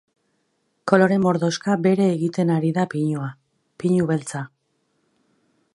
Kolore mordoxka bere egiten ari da pinua, pinu beltza.